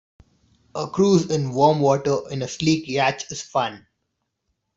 A cruise in warm waters in a sleek yacht is fun.